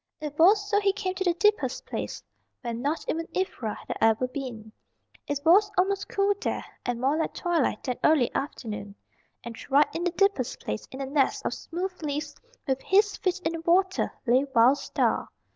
It was so he came to the deepest place; where not even Ivra had ever been. It was almost cool there, and more like twilight than early afternoon. And right in the deepest place, in a nest of smooth leaves, with his feet in the water, lay Wild Star.